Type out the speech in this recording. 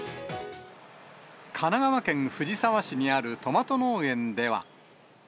神奈川県藤沢市にあるトマト農園では。